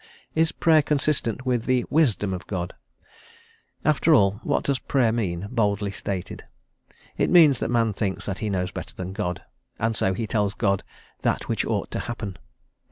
Is Prayer consistent with the wisdom of God? After all, what does Prayer mean, boldly stated? It means that man thinks that he knows better than God, and so he tells God that which ought to happen.